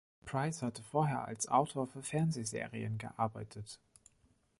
Price hatte vorher als Autor für Fernsehserien gearbeitet.